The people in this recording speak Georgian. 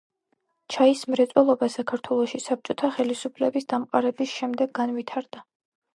ჩაის მრეწველობა საქართველოში საბჭოთა ხელისუფლების დამყარების შემდეგ განვითარდა.